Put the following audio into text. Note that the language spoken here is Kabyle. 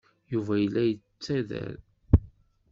Yuba yella yettader-d.